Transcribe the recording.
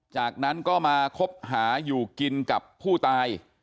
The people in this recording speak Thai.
จากนั้นก็มาคบหาอยู่กินกับผู้ตาย